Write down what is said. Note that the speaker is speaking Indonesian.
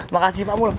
makasih pak mul